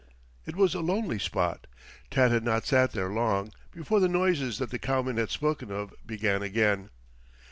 It was a lonely spot. Tad had not sat there long before the noises that the cowmen had spoken of began again.